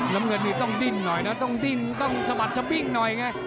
น้ำเงินนี่ต้องดิ้นหน่อยนะต้องดิ้นต้องสะบัดสดิ้งหน่อยไง